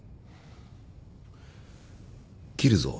切るぞ。